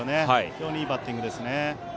非常にいいバッティングですね。